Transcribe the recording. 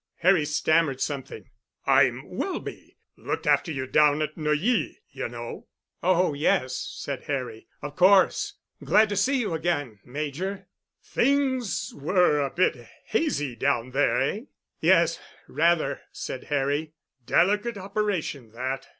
Harry stammered something. "I'm Welby—looked after you down at Neuilly, you know." "Oh, yes," said Harry. "Of course. Glad to see you again, Major." "Things were a bit hazy down there, eh?" "Yes, rather," said Harry. "Delicate operation that.